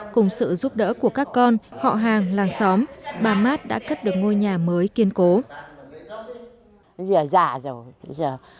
cùng sự giúp đỡ của các con họ hàng làng xóm bà mát đã cất được ngôi nhà mới kiên cố